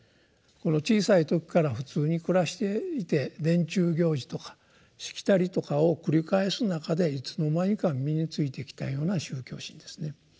小さい時から普通に暮らしていて年中行事とかしきたりとかを繰り返す中でいつの間にか身についてきたような宗教心ですね。